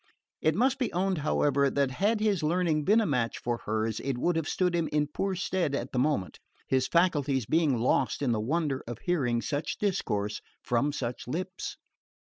It must be owned, however, that had his learning been a match for hers it would have stood him in poor stead at the moment; his faculties being lost in the wonder of hearing such discourse from such lips.